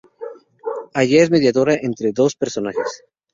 Aya es mediadora entre estos dos personajes.